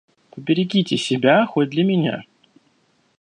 Поберегите себя хоть для меня».